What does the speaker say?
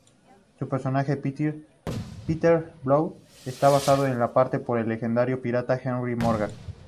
Su personaje, Peter Blood, está basado en parte por el legendario pirata Henry Morgan.